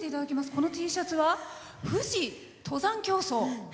このＴシャツは「富士登山競走」。